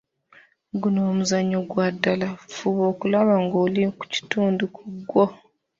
Guno omuzannyo gwa ddala, fuba okulaba ng'oli ku kitundu ku gwo.